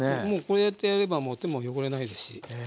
もうこうやってやれば手も汚れないですし